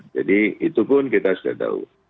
jadi itu pun kita sudah tahu